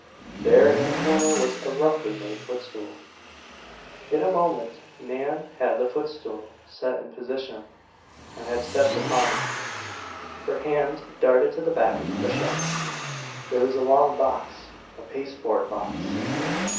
There in the corner was a roughly made footstool. In a moment Nan had the footstool set in position, and had stepped upon it. Her hand darted to the back of the shelf. There was a long box, a pasteboard box.